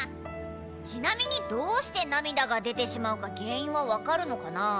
ちなみにどうしてなみだが出てしまうか原因はわかるのかな？